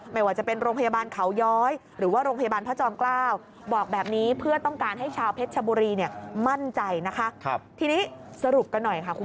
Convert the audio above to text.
ไม่ว่าจะเป็นโรงพยาบาลเขาย้อย